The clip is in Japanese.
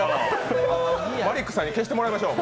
マリックさんに消してもらいましょう。